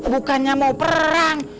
bukannya mau perang